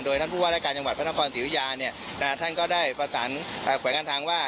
โดยนักพูดว่าในการจังหวัดพันธกรสิวิยาท่านก็ได้ประสานแขวงการทางว่า